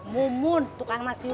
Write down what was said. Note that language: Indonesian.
mumun tukang nasi uduk